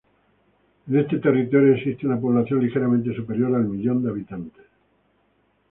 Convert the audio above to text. En este territorio existe una población ligeramente superior al millón de habitantes.